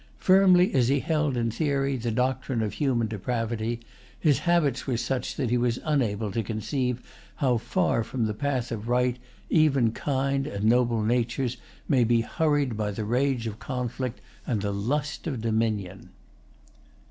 Firmly as he held in theory the doctrine of human depravity, his habits were such that he was unable to conceive how far from the path of right even kind and noble natures may be hurried by the rage of conflict and the lust of dominion.